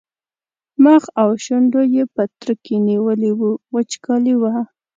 مخ او شونډو یې پترکي نیولي وو وچکالي وه.